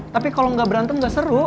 tapi kalau nggak berantem gak seru